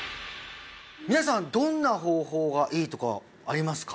皆さんどんな方法がいいとかありますか？